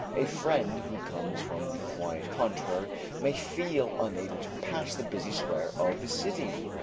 A friend who comes from the quiet country may feel unable to pass the busy square of the city.